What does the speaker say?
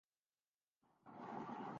مثالی صورت تو دونوں کا امتزاج ہے۔